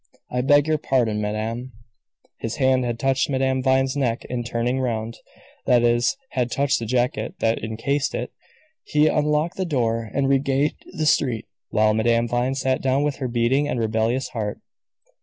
I beg your pardon, madame." His hand had touched Madame Vine's neck in turning round that is, had touched the jacket that encased it. He unlocked the door and regained the street, while Madame Vine sat down with her beating and rebellious heart.